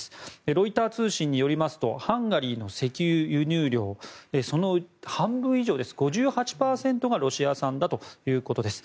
ロイター通信によりますとハンガリーの石油輸入量その半分以上、５８％がロシア産だということです。